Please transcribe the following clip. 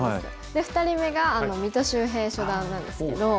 で２人目が三戸秀平初段なんですけど。